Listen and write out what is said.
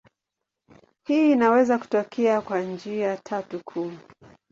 Hii inaweza kutokea kwa njia tatu kuu.